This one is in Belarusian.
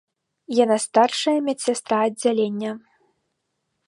Яна старшая медсястра аддзялення.